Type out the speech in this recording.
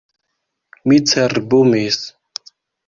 Mi cerbumis.